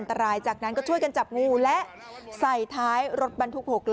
ตรายจากนั้นก็ช่วยกันจับงูและใส่ท้ายรถบรรทุก๖ล้อ